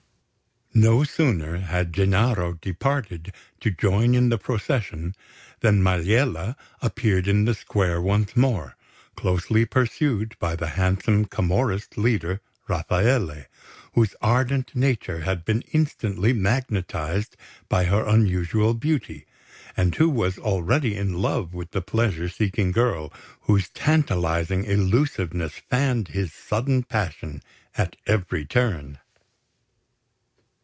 No sooner had Gennaro departed to join in the procession than Maliella appeared in the square once more, closely pursued by the handsome Camorrist leader, Rafaele, whose ardent nature had been instantly magnetised by her unusual beauty, and who was already in love with the pleasure seeking girl, whose tantalising elusiveness fanned his sudden passion at every turn.